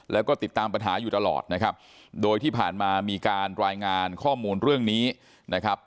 แล้วก็ติดตามปัญหาอยู่ตลอดนะครับโดยที่ผ่านมามีการรายงานข้อมูลเรื่องนี้นะครับ